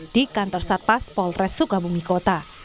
di kantor satpas polres sukabumi kota